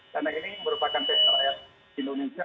karena ini merupakan tes kelayak indonesia